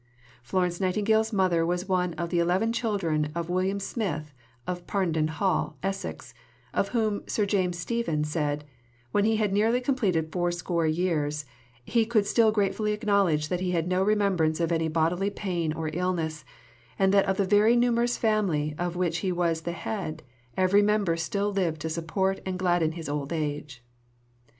Florence Nightingale's mother was one of the eleven children of William Smith of Parndon Hall, Essex, of whom Sir James Stephen said: "When he had nearly completed four score years, he could still gratefully acknowledge that he had no remembrance of any bodily pain or illness, and that of the very numerous family of which he was the head every member still lived to support and gladden his old age."